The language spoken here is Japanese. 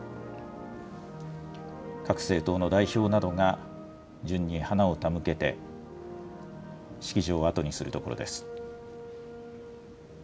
各政党の代表などが、順に花を手向けて、式場を後にするところです。